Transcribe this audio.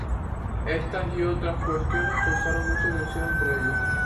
Estas y otras cuestiones causaron mucha tensión entre ellos.